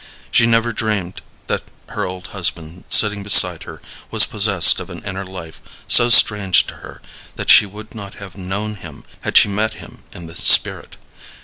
She never dreamed that her old husband sitting beside her was possessed of an inner life so strange to her that she would not have known him had she met him in the spirit.